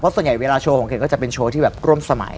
เพราะส่วนใหญ่เวลาโชว์ของเก่งก็จะเป็นโชว์ที่กรมสมัย